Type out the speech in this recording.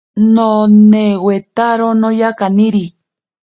Nonewetaro noya kaniri.